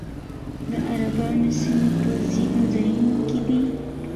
د عربانو سیمې په ځینو ځایونو کې دي